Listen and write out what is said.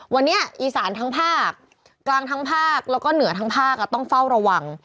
วันนี้อีสานทั้งภาคกลางทั้งภาคแล้วก็เหนือทั้งภาคต้องเฝ้าระวัง